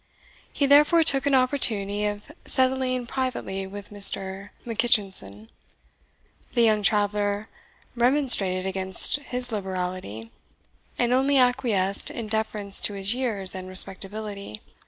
He therefore took an opportunity of settling privately with Mr. Mackitchinson. The young traveller remonstrated against his liberality, and only acquiesced in deference to his years and respectability.